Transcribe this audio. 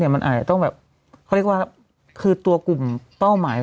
มันอาจจะต้องแบบเขาเรียกว่าคือตัวกลุ่มเป้าหมาย